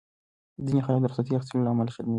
ځینې خلک د رخصتۍ اخیستو له امله شرمېږي.